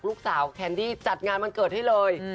ลูกสาวแคนดี้จัดงานวันเกิดให้เลย